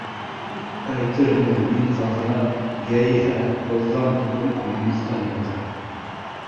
Әйтерһең дә, мин ҡарҙан йәиһә боҙҙан түгел, ә мамыҡтан йүгерәм.